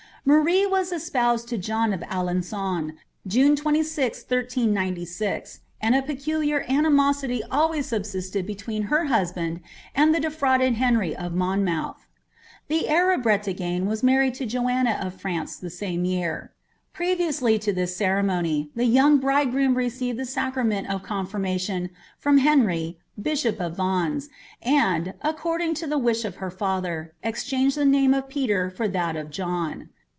"' Marie was espoused to John of Alengon, June 26th, 1 396. and i peculiar animosity always subsisted between her huabiind and iliB defrauded Henry of Moimiouib. The heir of Brelngne was married tu Jitenna of France the same year. I^eviously to this cereniaDyi il» young bridegroom received the sacrament of confinnsiiou Irum Hnuy bishop of Vunne s, and, according to the wish of his father, cxcjiangiil llie name of Peter for that of John.